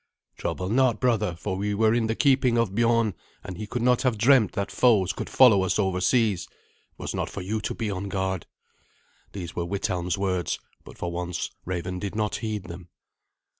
"Trouble not, brother, for we were in the keeping of Biorn, and he could not have dreamt that foes could follow us over seas. It was not for you to be on guard." These were Withelm's words, but for once Raven did not heed them.